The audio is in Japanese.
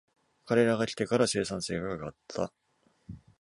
彼らが来てから生産性が上がった